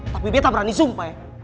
tapi beta berani sumpah ya